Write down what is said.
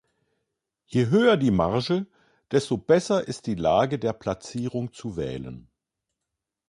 Je höher die Marge, desto besser ist die Lage der Platzierung zu wählen.